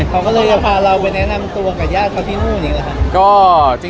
เค้าก็เลยจะพาเราไปแนะนำตัวกับญาติเค้าที่นู่นอย่างนี้หรือคะ